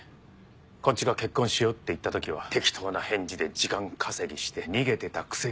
こっちが「結婚しよう」って言った時は適当な返事で時間稼ぎして逃げてたくせに。